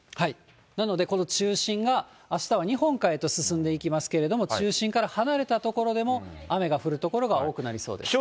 なので、この中心が、あしたは日本海へと進んでいきますけれども、中心から離れた所でも雨が降る所が多くなりそうです。